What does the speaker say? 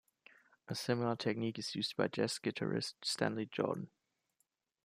A similar technique is used by jazz guitarist Stanley Jordan.